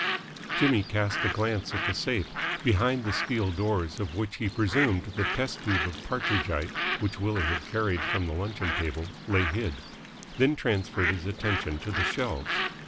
Jimmy cast a glance at the safe, behind the steel doors of which he presumed the test tube of Partridgite which Willie had carried from the luncheon table lay hid: then transferred his attention to the shelves.